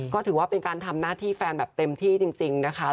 ก็ถือว่าเป็นการทำหน้าที่แฟนแบบเต็มที่จริงนะคะ